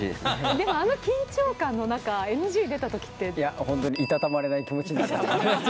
でもあの緊張感の中、ＮＧ出いや、本当にいたたまれない気持ちになる。